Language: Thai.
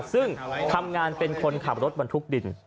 ซึ่งทำงานเป็นคนขับรถบรรทุกดิน